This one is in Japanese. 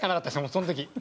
その時。